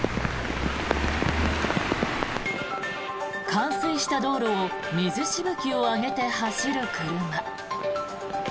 冠水した道路を水しぶきを上げて走る車。